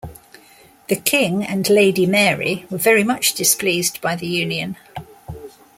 The King and Lady Mary were very much displeased by the union.